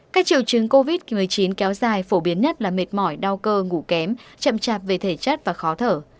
các triệu chứng covid một mươi chín kéo dài phổ biến nhất là mệt mỏi đau cơ ngủ kém chậm chạp về thể chất và khó thở